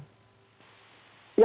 ya kalau yang benar